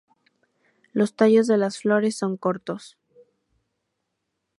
Los tallos de las flores son cortos.